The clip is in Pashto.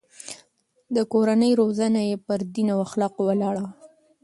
د کورنۍ روزنه يې پر دين او اخلاقو ولاړه وه.